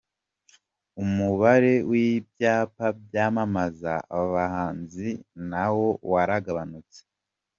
Umubare w’ibyapa byamamaza abahanzi na wo waragabanutse.